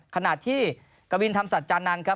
ขณะที่กะวินทำสัจจานันครับ